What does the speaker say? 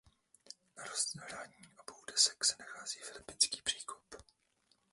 Na rozhraní obou desek se nachází Filipínský příkop.